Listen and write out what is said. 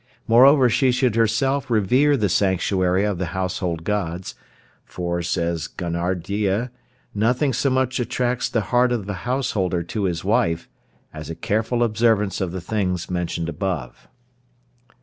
Moreover she should herself revere the sanctuary of the Household Gods, for says Gonardiya, "nothing so much attracts the heart of a householder to his wife as a careful observance of the things mentioned above."